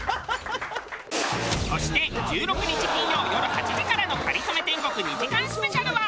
そして１６日金曜よる８時からの『かりそめ天国』２時間スペシャルは。